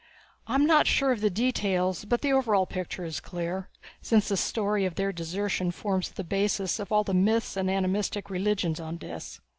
I'm not sure of the details, but the overall picture is clear, since the story of their desertion forms the basis of all the myths and animistic religions on Dis.